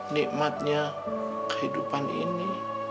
nikmatnya kehidupan ini